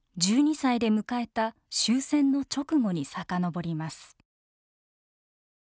１２歳で迎えた終戦の直後に遡ります。